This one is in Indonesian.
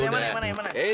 ya oke makasih